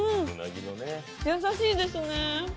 優しいですね。